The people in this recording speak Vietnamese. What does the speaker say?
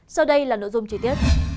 sau đây là nội dung trí tiết